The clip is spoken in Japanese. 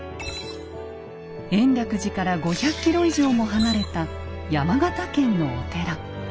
延暦寺から５００ｋｍ以上も離れた山形県のお寺。